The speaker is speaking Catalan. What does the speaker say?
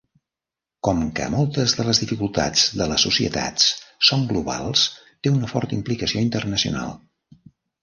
Com que moltes de les dificultats de les societats són globals, té una forta implicació internacional.